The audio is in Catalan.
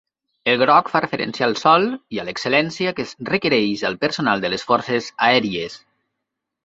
El groc fa referència al sol i a l'excel·lència que es requereix al personal de les forces aèries.